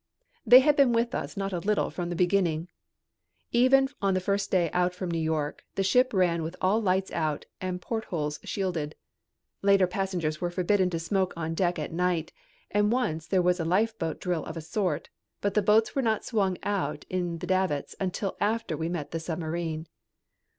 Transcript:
They had been with us not a little from the beginning. Even on the first day out from New York the ship ran with all lights out and portholes shielded. Later passengers were forbidden to smoke on deck at night and once there was a lifeboat drill of a sort, but the boats were not swung out in the davits until after we met the submarine.